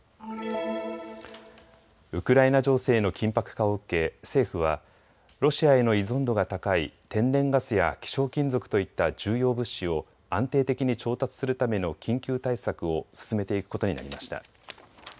ウクライナ情勢の緊迫化を受け政府はロシアへの依存度が高い天然ガスや希少金属といった重要物資を安定的に調達するための緊急対策を進めていくことになりました。